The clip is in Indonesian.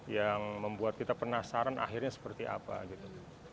yang membuat kita penasaran akhirnya seperti apa gitu